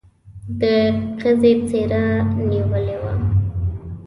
د ښځې څېره نېولې وه.